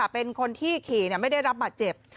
เป็นคนที่ขี่ไม่ได้รับบาดเจ็บ